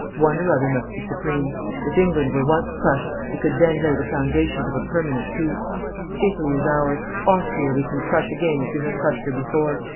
One or other must be supreme. If England were once crushed we could then lay the foundations of a permanent peace. Italy is ours. Austria we can crush again as we have crushed her before.